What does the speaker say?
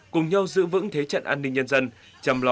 cùng nhau giữ vững thế trận an ninh nhân dân